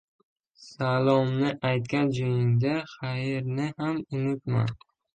• “Salom”ni aytgan joyingda, “Xayr”ni ham unutma.